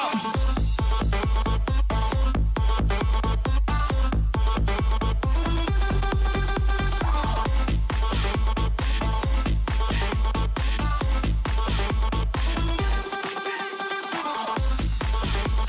มีลึกออก